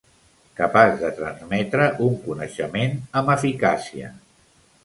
Capaç de transmetre un coneixement amb eficàcia.